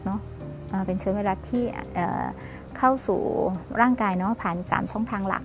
มันเป็นเชื้อไวรัสที่เข้าสู่ร่างกายผ่าน๓ช่องทางหลัก